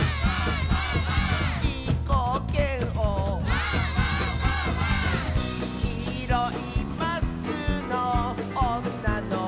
「じーこーけんお」「きいろいマスクのおんなのこ」